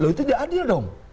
itu tidak adil dong